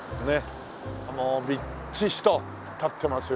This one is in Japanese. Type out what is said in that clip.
もうみっちしと建ってますよね。